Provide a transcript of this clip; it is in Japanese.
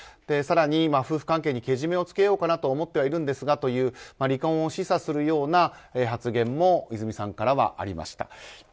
更に、夫婦関係にけじめをつけようと思っているんですがという離婚を示唆するような発言も和さんからありました。